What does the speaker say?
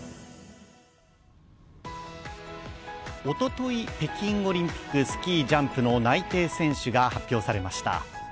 おととい、北京オリンピックスキージャンプの内定選手が発表されました。